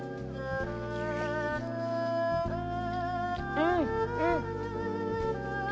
うんうん！